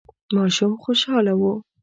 ماشوم خوشاله و.